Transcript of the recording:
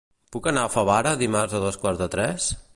Com puc anar a Favara dimarts a dos quarts de tres?